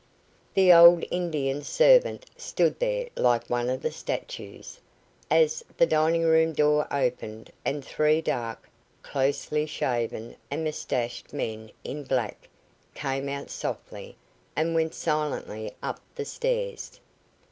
The old Indian servant stood there like one of the statues, as the dining room door opened and three dark, closely shaven and moustached men, in black, came out softly, and went silently up the stairs.